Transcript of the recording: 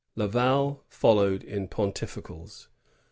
Laval followed in pontificals.